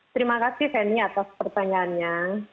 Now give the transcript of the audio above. terima kasih feni atas pertanyaannya